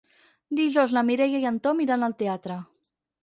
Dijous na Mireia i en Tom iran al teatre.